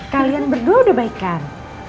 kalian berdua udah baik kan